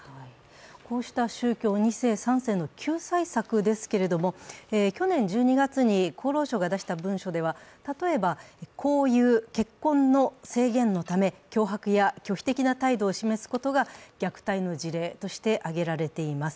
こうした宗教２世、３世の救済策ですけれども去年１２月に厚労省が出した文書では、例えば、交友・結婚の制限のため脅迫や拒否的な態度を示すことが虐待の事例として挙げられています。